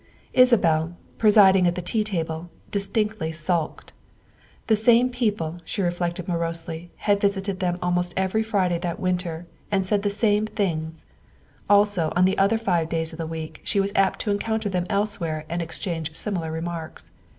Isabel, presiding at the tea table, distinctly sulked. The same people, she reflected morosely, had visited them almost every Friday that winter and said the same things ; also on the other five days of the week she was apt to encounter them elsewhere and exchange similar remarks.